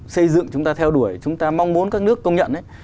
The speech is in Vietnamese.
xây dựng chúng ta theo đuổi chúng ta mong muốn các nước công nhận